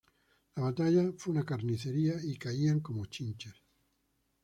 La batalla fue una carnicería y caían como chinches